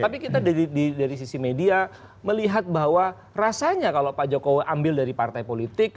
tapi kita dari sisi media melihat bahwa rasanya kalau pak jokowi ambil dari partai politik